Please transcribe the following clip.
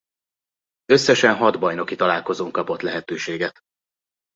Összesen hat bajnoki találkozón kapott lehetőséget.